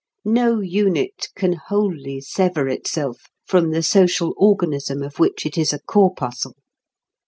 No unit can wholly sever itself from the social organism of which it is a corpuscle.